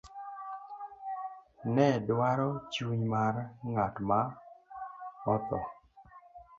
nedwaro chuny mar ng'at ma odho